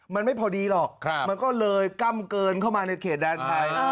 มันไม่พอดีหรอกมันก็เลยกล้ำเกินเข้ามาในเขตแดนไทย